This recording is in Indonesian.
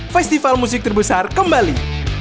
festival musik terbesar kembali